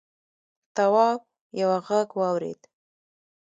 تواب یوه غږ واورېد.